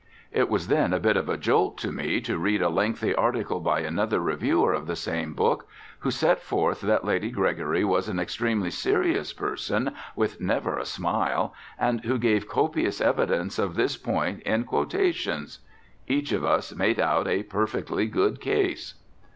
It was then a bit of a jolt to me to read a lengthy article by another reviewer of the same book, who set forth that Lady Gregory was an extremely serious person, with never a smile, and who gave copious evidence of this point in quotations. Each of us made out a perfectly good case.